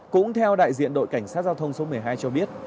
cũng theo đại diện đội cảnh sát giao thông số một mươi hai cho biết